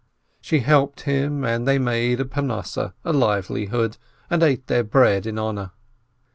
She helped him, and they made a livelihood, and ate their bread in honor.